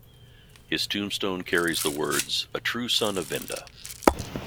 His tombstone carries the words, "A True Son of Venda".